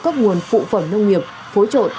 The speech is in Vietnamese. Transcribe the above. các nguồn phụ phẩm nông nghiệp phối trộn